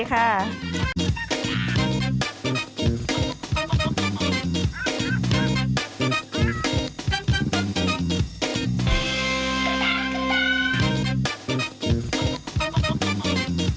สวัสดีค่ะ